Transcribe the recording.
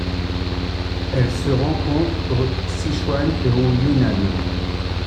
Elle se rencontre au Sichuan et au Yunnan.